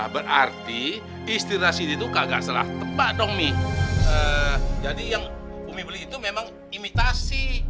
berarti inspirasi itu kagak salah tepat dong nih jadi yang bumi beli itu memang imitasi